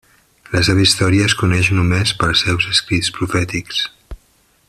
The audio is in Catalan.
La seva història es coneix només pels seus escrits profètics.